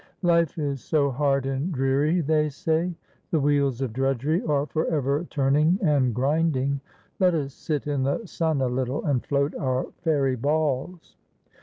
"Life is so hard and dreary," they say. "The wheels of drudgery are for ever turning and grinding; let us sit in the sun a little and float our fairy balls.